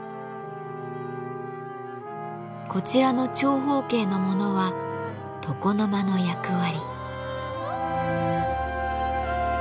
こちらの長方形のものは床の間の役割。